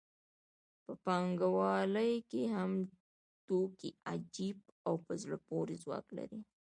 په پانګوالۍ کې هم توکي عجیب او په زړه پورې ځواک لري